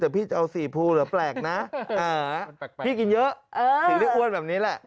แต่พี่จะเอาสี่ภูเหรอแปลกนะพี่กินเยอะถึงได้อ้วนแบบนี้แหละ